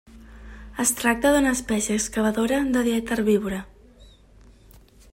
Es tracta d'una espècie excavadora de dieta herbívora.